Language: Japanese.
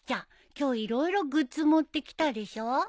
今日色々グッズ持ってきたでしょ？